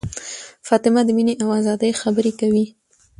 فاطمه د مینې او ازادۍ خبرې کوي.